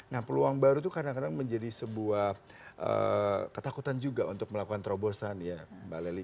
nah peluang baru itu kadang kadang menjadi sebuah ketakutan juga untuk melakukan terobosan ya mbak lely